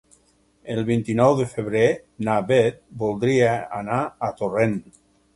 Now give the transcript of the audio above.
El vint-i-nou de febrer na Bet voldria anar a Torrent.